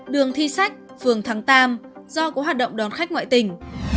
đường thi sách phường thắng tam do có hoạt động đón khách ngoại tỉnh